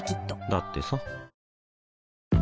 だってさ